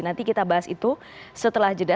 nanti kita bahas itu setelah jeda